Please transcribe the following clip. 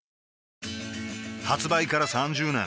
発売から３０年